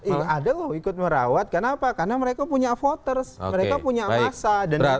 ya ada loh ikut merawat kenapa karena mereka punya voters mereka punya masa